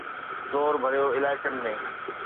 زور ڀريو علائقن ۾